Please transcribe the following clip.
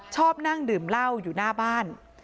ชอบนั่งดื่มเหล้าอยู่หน้าบ้าน